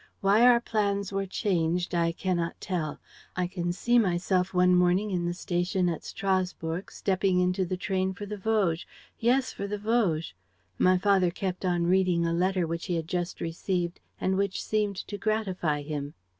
Why our plans were changed I cannot tell. ... I can see myself one morning in the station at Strasburg, stepping into the train for the Vosges ... yes, for the Vosges. ... My father kept on reading a letter which he had just received and which seemed to gratify him.